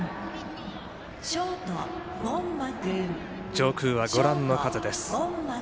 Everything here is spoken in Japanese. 上空は、ご覧の風です。